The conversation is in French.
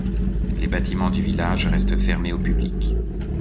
Les bâtiments du village restent fermés au public.